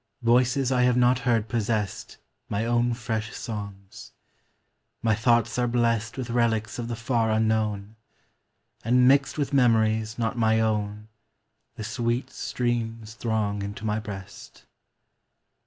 Voices I have not heard possessed My own fresh songs ; my thoughts are blessed With relics of the far unknown ; And mixed with memories not my own The sweet streams throng into my breast.